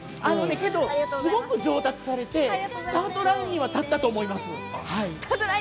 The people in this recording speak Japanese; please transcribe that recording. けど、すごく上達されてスタートラインには立ったと思います。